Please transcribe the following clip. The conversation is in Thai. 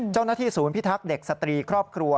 เจ้าหน้าที่ศูนย์พิทักษ์เด็กสตรีครอบครัว